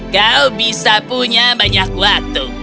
kau bisa punya banyak waktu